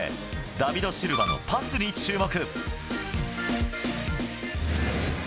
ダビド・シルバのパスに注目。